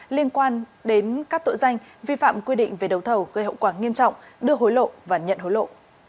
liên quan đến các tội danh vi phạm quy định về đầu thầu gây hậu quả nghiêm trọng đưa hối lộ và nhận hối lộ